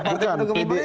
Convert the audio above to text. itu gimana pak jaya